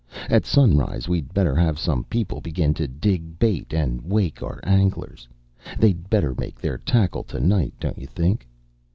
At sunrise we'd better have some people begin to dig bait and wake our anglers. They'd better make their tackle to night, don't you think?"